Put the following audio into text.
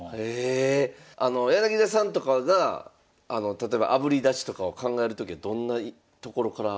柳田さんとかが例えばあぶり出しとかを考えるときはどんなところから。